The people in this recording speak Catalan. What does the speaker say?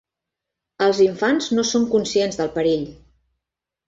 Els infants no són conscients del perill.